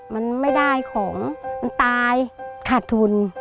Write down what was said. มันไม่ได้ของมันตายขาดทุน